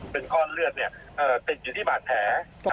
เป็นก้อนเลือดติดอยู่ที่บาดแผล